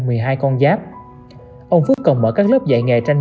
mười hai con giáp ông phước còn mở các lớp dạy nghề tranh